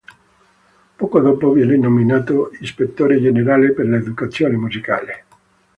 Poco dopo viene nominato ispettore generale per l'educazione musicale.